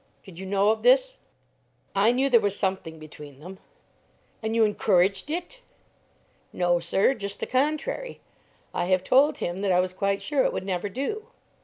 Did you know of this?" "I knew there was something between them." "And you encouraged it?" "No, sir; just the contrary. I have told him that I was quite sure it would never do."